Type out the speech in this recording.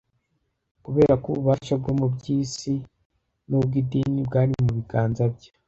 Kubera ko ububasha bwo mu by’isi n’ubw’idini bwari mu biganza bye,